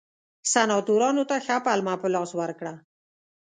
سناتورانو ته ښه پلمه په لاس ورکړه.